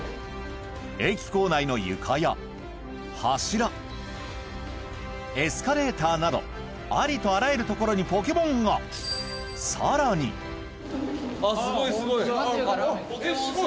駅構内の床や柱エスカレーターなどありとあらゆる所にポケモンがあっすごいすごい。